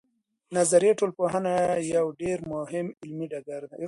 نظري ټولنپوهنه یو ډېر مهم علمي ډګر دی.